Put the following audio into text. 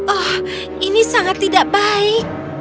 oh ini sangat tidak baik